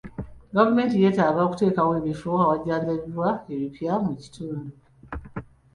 Gavumenti yeetaaga okuteekawo ebifo awajjanjabirwa ebipya mu kitundu.